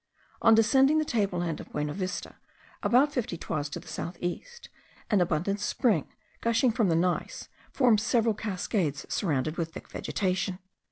On descending the table land of Buenavista, about fifty toises to the south east, an abundant spring, gushing from the gneiss, forms several cascades surrounded with thick vegetation.